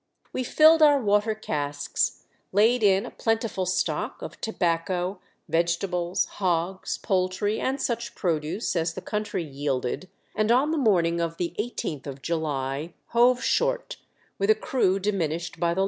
We filled our water casks, laid in a plenti ful stock of tobacco, vegetables, hogs, poul try, and such produce as the country yielded, and on the morning of the eighteenth of July hove short, with a crew diminished by the WE ARRIVE AT TABLE BAY.